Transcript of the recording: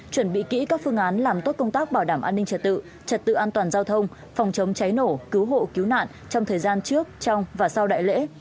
chuẩn bị kỹ các phương án làm tốt công tác bảo đảm an ninh trật tự trật tự an toàn giao thông phòng chống cháy nổ cứu hộ cứu nạn trong thời gian trước trong và sau đại lễ